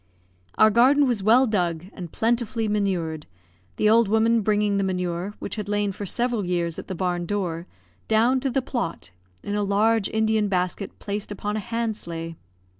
Our garden was well dug and plentifully manured, the old woman bringing the manure, which had lain for several years at the barn door, down to the plot, in a large Indian basket placed upon a hand sleigh.